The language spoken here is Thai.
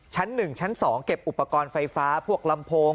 ชั้น๑ชั้น๒เก็บอุปกรณ์ไฟฟ้าพวกลำโพง